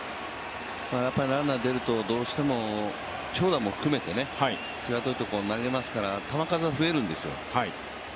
ランナー出るとどうしても長打も含めてきわどいところに投げますから球数が増えるんですよ。